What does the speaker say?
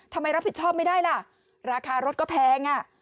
ทำไมรับผิดชอบไม่ได้ล่ะราคารถกก็แพง